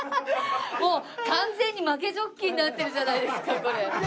もう完全に負けジョッキーになってるじゃないですかこれ。